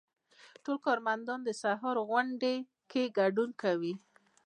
ټول کارمندان د سهار غونډې کې ګډون کوي.